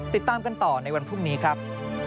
ติดตามกันต่อในวันพรุ่งนี้ครับ